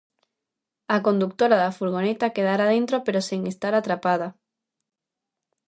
A condutora da furgoneta quedara dentro pero sen estar atrapada.